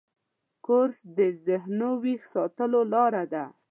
کورس د ذهنو ویښ ساتلو لاره ده.